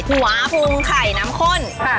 หัวภูมิไข่น้ำข้น